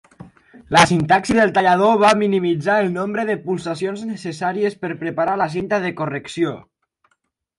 La sintaxi del tallador va minimitzar el nombre de pulsacions necessàries per preparar la cinta de correcció.